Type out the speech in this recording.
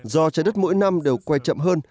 do trái đất mỗi năm đều quay chậm hơn